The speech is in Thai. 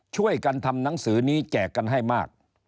ช่วยกันทำหนังสือนี้แจกกันให้มาก